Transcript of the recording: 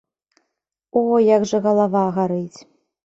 О, як жа галава гарыць.